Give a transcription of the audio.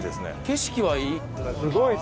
景色はいい。